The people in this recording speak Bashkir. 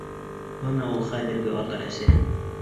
Бына ул хәҙерге ата-әсә!